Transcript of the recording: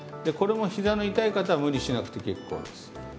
これもひざの痛い方は無理しなくて結構です。